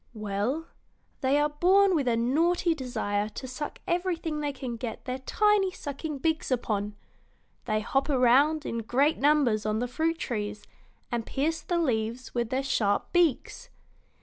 "Well, they are born with a naughty desire to suck everything they can get their tiny sucking beaks upon. They hop around in great numbers on the fruit trees and pierce the leaves with their sharp beaks.